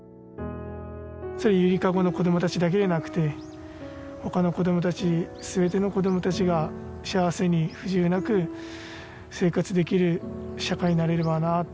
ゆりかごの子どもたちだけじゃなくて他の子どもたち全ての子どもたちが幸せに不自由なく生活できる社会になれればなとは思います。